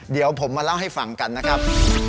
เดี๋ยวผมมาเล่าให้ฟังกันนะครับ